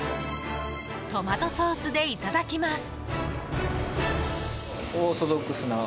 トマトソースでいただきます。